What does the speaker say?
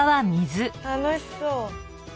楽しそう。